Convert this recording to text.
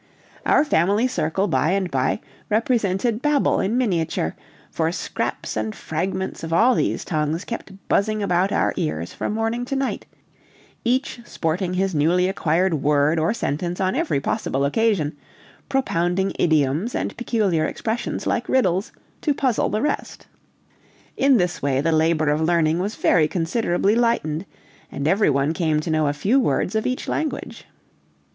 Our family circle by and by represented Babel in miniature, for scraps and fragments of all these tongues kept buzzing about our ears from morning to night, each sporting his newly acquired word or sentence on every possible occasion, propounding idioms and peculiar expressions like riddles, to puzzle the rest. In this way, the labor of learning was very considerably lightened, and every one came to know a few words of each language.